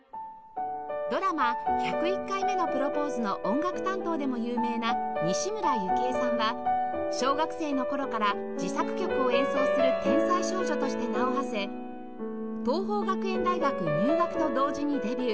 ドラマ『１０１回目のプロポーズ』の音楽担当でも有名な西村由紀江さんは小学生の頃から自作曲を演奏する天才少女として名をはせ桐朋学園大学入学と同時にデビュー